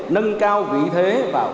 nâng cao vị thế và y tín của đất nước